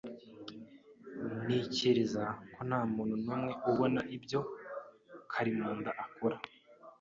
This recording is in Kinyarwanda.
Ntekereza ko ntamuntu numwe ubona ibyo Karimunda akora.